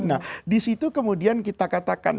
nah disitu kemudian kita katakan